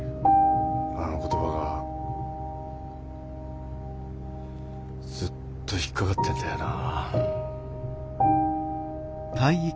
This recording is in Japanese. あの言葉がずっと引っ掛かってんだよなあ。